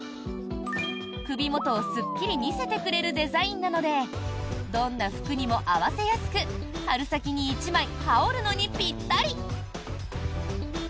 首元をすっきり見せてくれるデザインなのでどんな服にも合わせやすく春先に１枚羽織るのにぴったり。